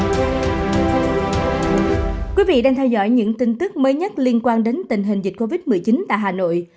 thưa quý vị đang theo dõi những tin tức mới nhất liên quan đến tình hình dịch covid một mươi chín tại hà nội